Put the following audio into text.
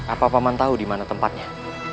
apa paman tahu di mana tempatnya